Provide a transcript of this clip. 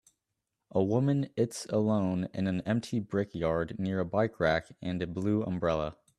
A woman its alone in an empty brick yard near a bike rack and a blue umbrella